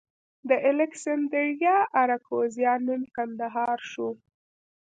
د الکسندریه اراکوزیا نوم کندهار شو